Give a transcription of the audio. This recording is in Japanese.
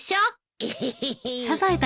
エヘヘヘッ。